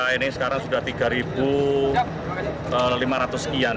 ini sekarang sudah tiga lima ratus sekian